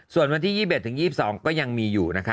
ส่วนวันที่๒๑๒๒ก็ยังมีอยู่นะคะ